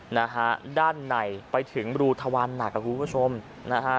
นะฮะด้านในไปถึงรูทวันหนักอ่ะคุณผู้ชมนะฮะ